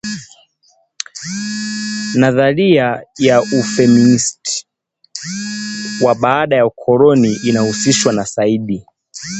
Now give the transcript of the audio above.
Nadharia ya ufeministi wa Baada-ukoloni inahusishwa na Said